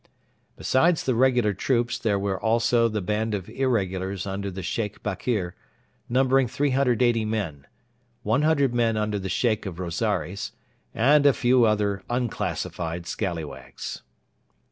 Besides the regular troops, there were also the band of irregulars under the Sheikh Bakr, numbering 380 men, 100 men under the Sheikh of Rosaires, and a few other unclassified scallywags.